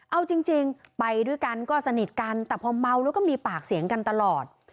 เอาจริงไปด้วยกันก็สนิทกันแต่พอเมาแล้วก็มีปากเสียงกันตลอด